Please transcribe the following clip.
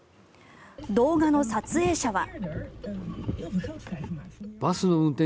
動画の撮影者は。